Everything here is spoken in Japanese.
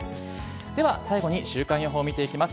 では最後に週間予報見ていきます。